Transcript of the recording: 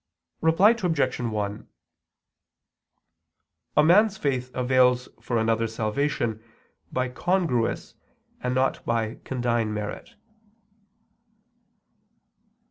Reply Obj. 1: A man's faith avails for another's salvation by congruous and not by condign merit.